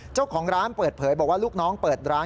เจ้าของร้านเปิดเผยบอกว่าลูกน้องเปิดร้าน